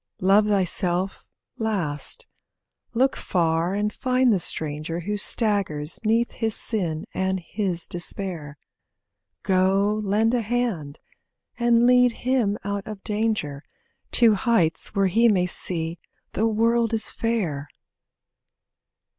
Love thyself last. Look far and find the stranger Who staggers 'neath his sin and his despair; Go, lend a hand, and lead him out of danger, To heights where he may see the world is fair.